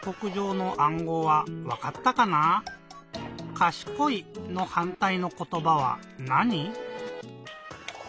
「かしこい」のはんたいのことばはなに？